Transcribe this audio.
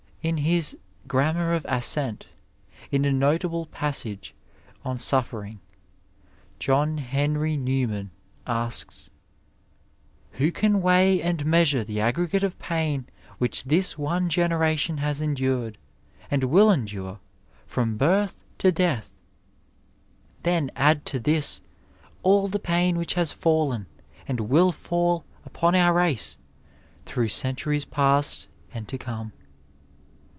In his Orammar of Assent, in a notable passage on suffering, John Henry Newman asks, *' Who can weigh and measure the aggregate of pain which this, one generation has endured, and will endure, from birth to death ? Then add to this all the pain which has fallen and will fall upon our race through centuries past and to come."